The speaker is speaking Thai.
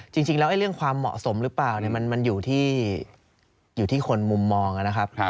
จริงแล้วเรื่องความเหมาะสมหรือเปล่ามันอยู่ที่คนมุมมองนะครับ